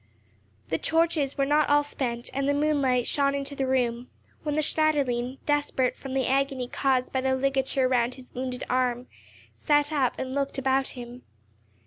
The torches were not all spent, and the moonlight shone into the room, when the Schneiderlein, desperate from the agony caused by the ligature round his wounded arm, sat up and looked about him.